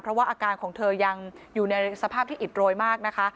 เพราะว่าอาการของเธอยังอยู่ในสภาพที่อิดโรยมากนะคะ